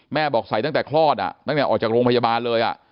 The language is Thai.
บอกใส่ตั้งแต่คลอดตั้งแต่ออกจากโรงพยาบาลเลย